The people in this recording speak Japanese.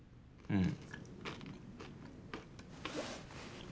うん。